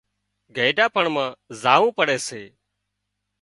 گئيڍا پڻ مان زاوون پڙي سي